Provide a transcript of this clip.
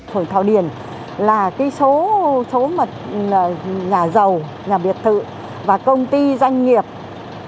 hồi thảo điền là cái số nhà giàu nhà biệt thự và công ty doanh nghiệp cũng rất là nhiều